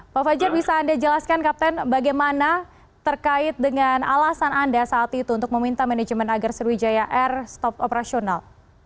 pak fajar bisa anda jelaskan kapten bagaimana terkait dengan alasan anda saat itu untuk meminta manajemen agar sriwijaya air stop operasional